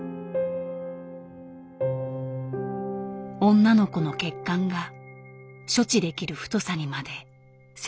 女の子の血管が処置できる太さにまで成長した。